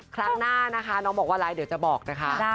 ครั้งหน้านะคะน้องบอกว่าไลค์เดี๋ยวจะบอกนะคะ